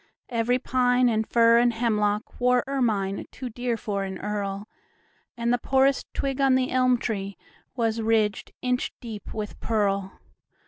Every pine and fir and hemlockWore ermine too dear for an earl, And the poorest twig on the elm treeWas ridged inch deep with pearl.